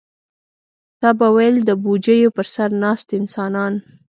تا به ویل د بوجیو پر سر ناست انسانان.